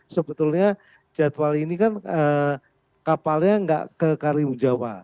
sebetulnya jadwal ini kan kapalnya tidak ke kalimantan jawa